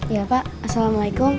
iya pak assalamualaikum